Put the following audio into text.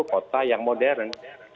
kota yang modern